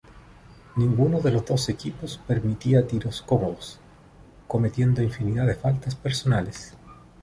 Ninguno de los dos equipos permitía tiros cómodos, cometiendo infinidad de faltas personales.